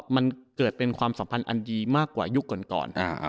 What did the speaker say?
มันเกิดเป็นความสัมพันธ์อันดีมากกว่ายุคก่อน